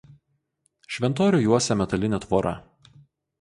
Šventorių juosia metalinė tvora.